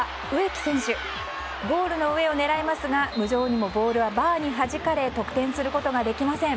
ゴールの上を狙いますが無情にもボールはバーにはじかれ得点することができません。